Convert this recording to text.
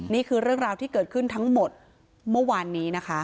นี่คือเรื่องราวที่เกิดขึ้นทั้งหมดเมื่อวานนี้นะคะ